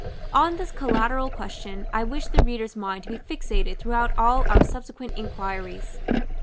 § VIII. On this collateral question I wish the reader's mind to be fixed throughout all our subsequent inquiries.